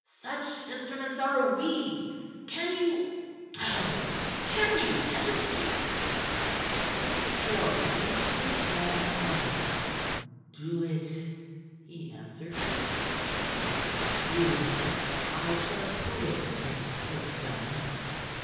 Such instruments are we. Can you Oh, can you hesitate?" Mr. Caryll clenched his hands hard. "Do it," he answered through set teeth. "Do it! I shall approve it when 'tis done.